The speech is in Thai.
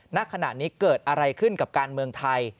ณขณะนี้เกิดอะไรขึ้นกับการเมืองไทย